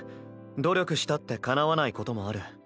努力したってかなわないこともある。